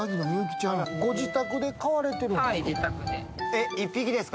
ご自宅で飼われてるんですか？